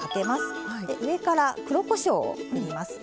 で上から黒こしょうをふります。